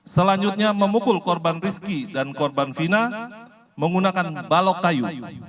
selanjutnya memukul korban rizki dan korban fina menggunakan balok kayu